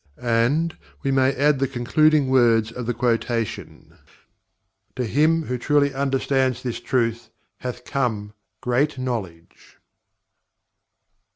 And, we may add the concluding words of the quotation: "To him who truly understands this truth, hath come great knowledge."